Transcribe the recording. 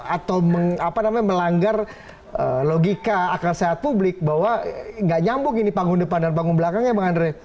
atau melanggar logika akal sehat publik bahwa nggak nyambung ini panggung depan dan panggung belakangnya bang andre